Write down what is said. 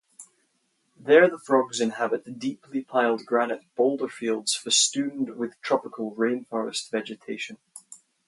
There the frogs inhabit deeply piled granite boulder fields festooned with tropical rainforest vegetation.